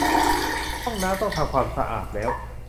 ห้องน้ำต้องทำความสะอาดแล้ว